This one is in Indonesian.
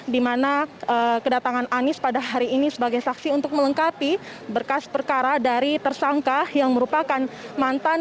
di mana kedatangan anies pada hari ini sebagai saksi untuk melengkapi berkas perkara dari tersangka yang merupakan mantan